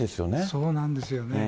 そうなんですよね。